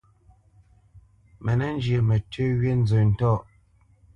Mə nə́ njyə mətʉ́ wí nzə ntɔ̂ʼ.